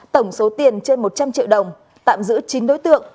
tổng số tiền trên một trăm linh triệu đồng tạm giữ chín đối tượng